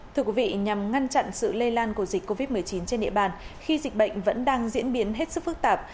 thưa quý vị nhằm ngăn chặn sự lây lan của dịch covid một mươi chín trên địa bàn khi dịch bệnh vẫn đang diễn biến hết sức phức tạp